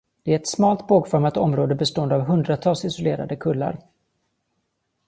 Det är ett smalt, bågformat område bestående av hundratals isolerade kullar.